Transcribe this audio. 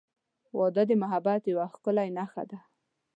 • واده د محبت یوه ښکلی نښه ده.